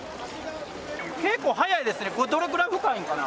結構速いですね、これ、どのくらい深いんかな。